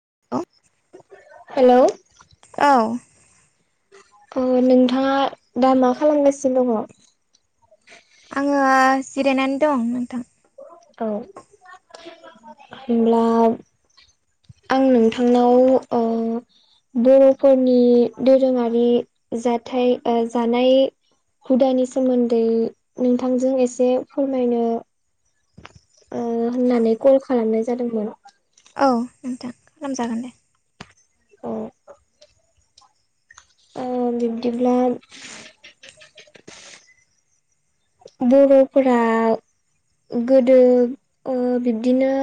[unintelligible] Hello औ अ नोंथाङा दा मा खालामगासिनो दङ आङो जिरायनानै दं नोंथां औ होनब्ला आं नोंथांनाव ओ बर'फोरनि दोरोङारि जाथाय जानाय हुदानि सोमोन्दै नोंथांजों एसे फोरमायनो ओ होननानै कल खालामनाय जादोंमोन औ नोंथां खालामजागोन दे अ ओ बिबदिब्ला बर'फोरा गोदो ओ बिब्दिनो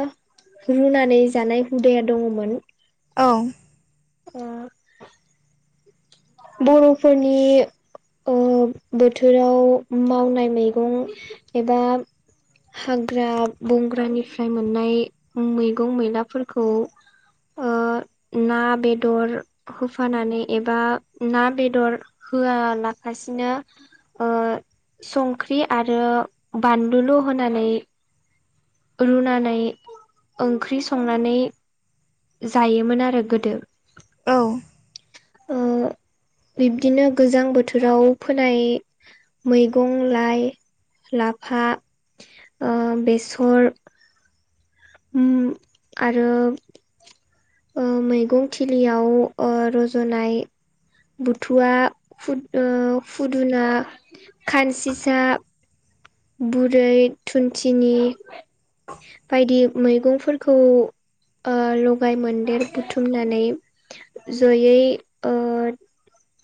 रुनानै जानाय हुदाया दङमोन औ ओ बर'फोरनि ओ बोथोराव मावनाय मैगं एबा हाग्रा बंग्रानिफ्राय मोननाय मैगं-मैलाफोरखौ ओ ना बेदर होफानानै एबा ना बेदर होआलागासिनो ओ संख्रि आरो बानलुल होनानै रुनानै ओंख्रि संनानै जायोमोन आरो गोदो। औ ओ बिब्दिनो गोजां बोथोराव फोनाय मैगं लाइ लाफा ओ बेसर उम आरो ओ मैगं थिलियाव रजनाय बुथुवा फुदुना खानसिसा बुरै थुनथिनि बायदि मैगंफोरखौ ओ लगाय मोनदेर बुथुमनानै जयै ओ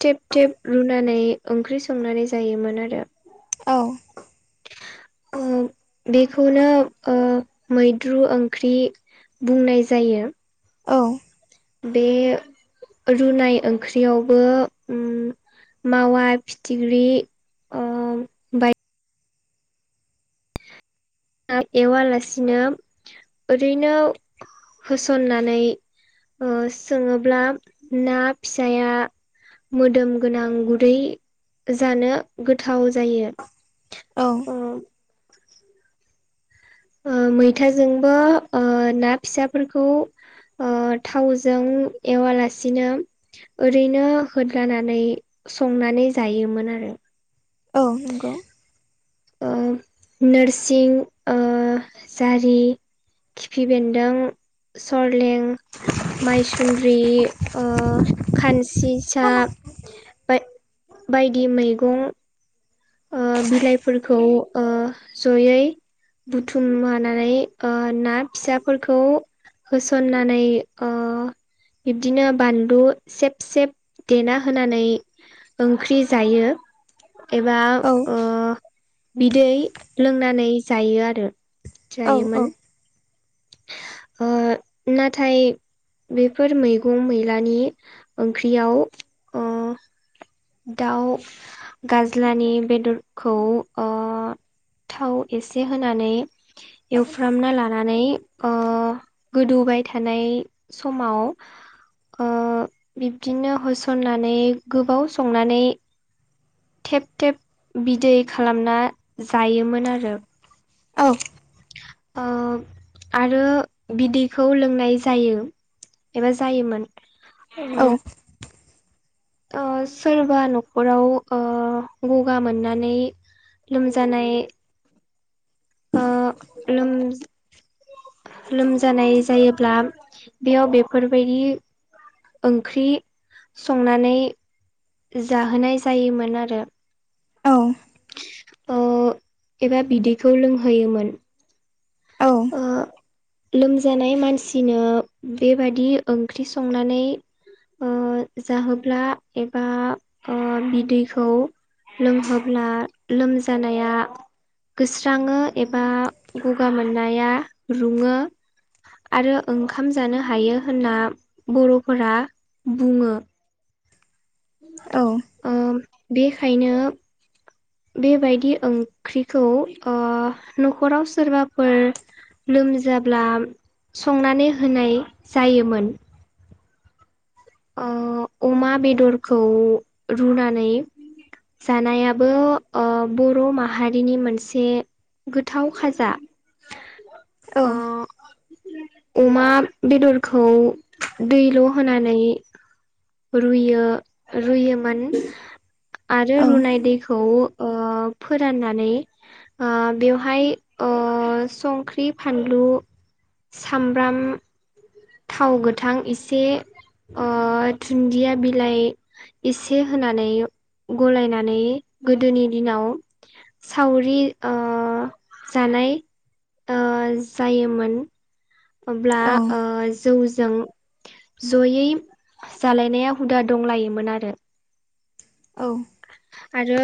थेब थेब रुनानै ओंख्रि संनानै जायोमोन आरो । औ औ बेखौनो ओ मैद्रु ओंख्रि बुंनाय जायो । औ बे रुनाय ओंख्रियावबो उम मावा फिथिख्रि ओ बाय एवालासिनो ओरैनो होसननानै ओ सोङोब्ला ना फिसाया मोदोम गोनां गुरै जानो गोथाव जायो औ ओ मैथाजोंबो ओ ना फिसाफोरखौ ओ थावजों एवालासिनो ओरैनो होदलानानै संनानै जायोमोन आरो औ नंगौ ओ नोरसिं ओ जारि खिफि बेन्दों सरलें माइसुन्द्रि ओ खानसि औ सा बायदि मैगं ओ बिलाइफोरखौ ओ जयै बुथुमना लानानै ना फिसाफोरखौ होसननानै ओ बिब्दिनो बानलु सेब सेब देना होनानै ओंख्रि जायो ए बा औ ओ बिदै लोंनानै जायो आरो औ जायोमोन ओ नाथाय बेफोर मैगं मैलानि ओंख्रियाव ओ दाउ गाज्लानि बेदरखौ ओ थाव एसे होनानै एवफ्रामना लानानै ओ गोदौबाय थानाय समाव ओ बिब्दिनो होसननानै गोबाव संनानै थेब थेब बिदै खालामना जायोमोन आरो औ ओ आरो बिदैखौ लोंनाय जायो। एबा जायोमोन औ ओ सोरबा नखराव ओ‌ गगा मोननानै लोमजानाय ओ लोम लोमजानाय जायोब्ला बेयाव बेफोरबायदि ओंख्रि संनानै जाहोनाय जायोमोन आरो। औ। ओ एबा बिदैखौ लोंहोयोमोन। औ ओ लोमजानाय मानसिनो बेबादि ओंख्रि संनानै ओ जाहोब्ला एबा ओ बिदैखौ लोंहोब्ला लोमजानाया गोस्रांङो एबा गगा मोननाया रुङो आरो ओंखाम जानो हायो होनना बर'फोरा बुङो। ओ बेखायनो बेबायदि ओंख्रिखौ ओ न'खराव सोरबाफोर लोमजाब्ला संनानै होनाय जायोमोन। ओ अमा बेदरखौ रुनानै जानायाबो ओ बर' माहारिनि मोनसे गोथाव खाजा। औ। ओ अमा बेदरखौ दैल' होनानै रुयो रुयोमोन आरो रुनाय दैखौ ओ फोराननानै ओ बेवहाय ओ‌ संख्रि फानलु सामब्राम थाव गोथां एसे ओ दुन्दिया बिलाइ एसे होनानै गलायनानै गोदोनि दिनाव सावरि ओ जानाय ओ जायोमोन। अब्ला ओ जौ जों जयै जालायनाया हुदा दंलायोमोन आरो। औ। आरो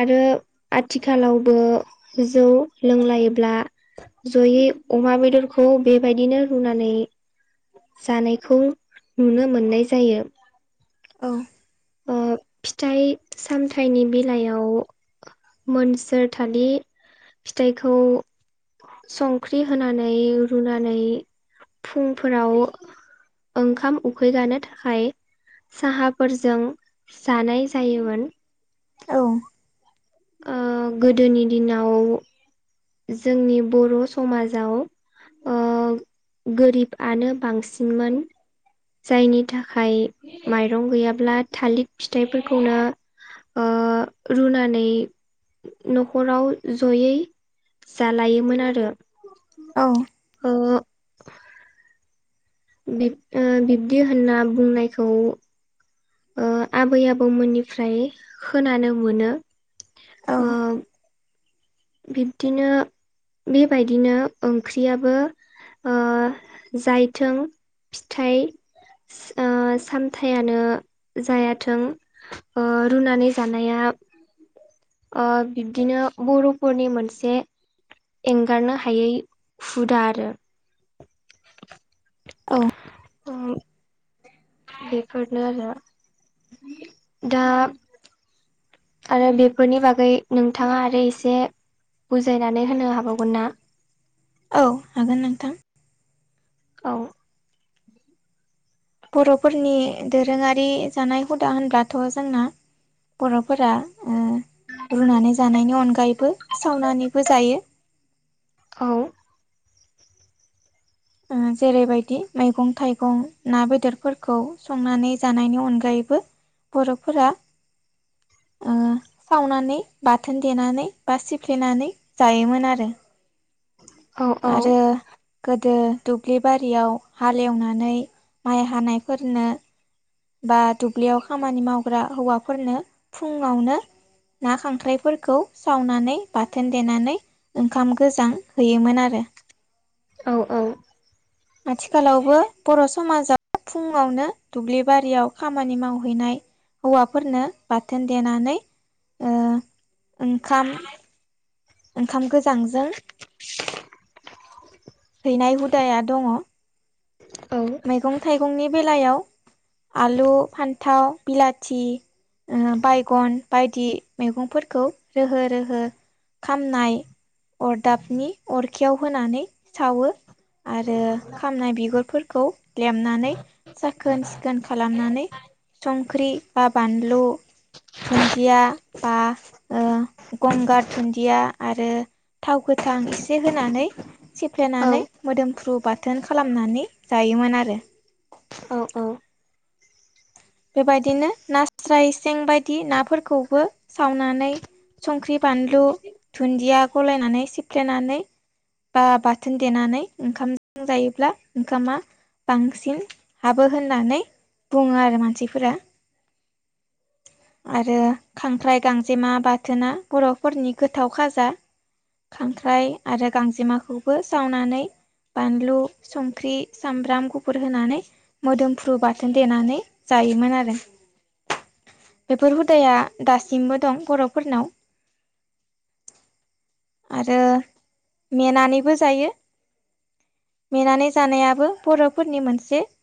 आरो आथिखालावबो जौ लोंलायोब्ला जयै अमा बेदरखौ बेबायदिनो रुनानै जानायखौ नुनो मोननाय जायो। औ। ओ फिथाइ सामथाइनि बेलायाव मोनसोर थालिर फिथाइखौ संख्रि होनानै रुनानै फुंफोराव ओंखाम उखैगानो थाखाय साहाफोरजों जानाय जायोमोन। औ। ओ गोदोनि दिनाव जोंनि बर' समाजाव ओ गोरिबआनो बांसिनमोन। जायनि थाखाय माइरं गैयाब्ला थालिर फिथाइफोरखौनो ओ रुनानै न'खराव जयै जालायोमोन आरो। बिब ओ बिब्दि होनना बुंनायखौ आबै आबौमोननिफ्राय खोनानो मोनो औ बिब्दिनो बेबायदिनो ओंख्रियाबो जायथों फिथाइ सामथायानो जायाथों रुनानै जानाया बिब्दिनो बर'फोरनि मोनसे एंगारनो हायै हुदा आरो औ ओ बेफोरनो आरो दा आरो बेफोरनि बागै नोंथाङा आरो एसे बुजायनानै होनो हाबावगोन ना औ हागोन नोंथां औ बर'फोरनि दोरोङारि जानाय हुदा होनब्लाथ' जोंना बर'फोरा रुनानै जानायनि अनगायैबो सावनानैबो जायो औ [unintelligible] जेरैबायदि मैगं थाइगं ना बेदरफोरखौ संनानै जानायनि अनगायैबो बर'फोरा [inaudible] सावनानै बाथोन देनानै बा सिफ्लेनानै जायोमोन आरो औ औ आरो गोदो दुब्लि बारियाव हालेवनानै माइ हानायफोरनो बा दुब्लियाव खामानि मावग्रा हौवाफोरनो फुङावनो ना खांख्राइफोरखौ सावनानै बाथोन देनानै ओंखाम गोजां होयोमोन आरो [unintelligible] औ औ आथिखालावबो बर' समाजाव फुङावनो दुब्लि बारियाव खामानि मावहैनाय हौवाफोरनो बाथोन देनानै अ ओंखाम ओंखाम गोजांजों [unintelligible] हैनाय हुदाया दङ मैगं थाइगंनि बेलायाव आलु फान्थाव बिलाथि ओ बायगन बायदि मैगंफोरखौ रोहो रोहो खामनाय अरदाबनि अरखियाव होनानै सावो आरो खामनाय बिगुरफोर खौ लेमनानै साखोन सिखोन खालामनानै संख्रि बा बानलु धुन्दिया बा गंगार दुन्दिया आरो थावखो गोथां एसे होनानै औ सिफ्लेनानै मोदोमफ्रु बाथोन खालामनानै जायोमोन आरो औ औ बेबायदिनो नास्राय सें बायदि नाफोरखौबो सावनानै संख्रि बानलु दुन्दिया गलायनानै सिफ्लेनानै बा बाथोन देनानै ओंखामजों जायोब्ला ओंखामा बांसिन हाबो होननानै बुङो आरो मानसिफोरा [unintelligible] आरो खांख्राइ गांजेमा बाथोना बर'फोरनि गोथाव खाजा खांख्राइ आरो गांजेमाखौबो सावनानै, बानलु संख्रि सामब्राम गुफुर होनानै मोदोमफ्रु बाथोन देनानै, जायोमोन आरो बेफोर हुदाया दासिमबो दं बर'फोरनाव, आरो मेनानैबो जायो। मेनानै जानायाबो बर'फोरनि मोनसे